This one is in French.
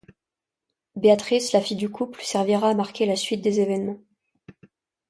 Béatrice, la fille du couple, servira à marquer la suite des événements.